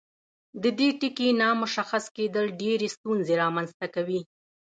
د دې ټکي نامشخص کیدل ډیرې ستونزې رامنځته کوي.